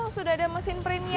sudah ada mesin printnya